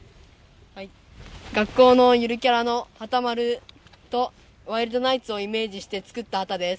学校のゆるキャラのはたまるとワイルドナイツをイメージして作った旗です。